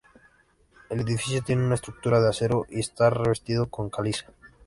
El edificio tiene una estructura de acero y está revestido con caliza.